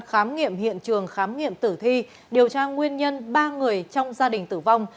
khám nghiệm hiện trường khám nghiệm tử thi điều tra nguyên nhân ba người trong gia đình tử vong